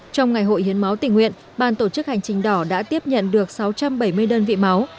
trong ngày hội hiến máu tình nguyện ban tổ chức hành trình đỏ đã tiếp nhận được sáu trăm bảy mươi đơn vị máu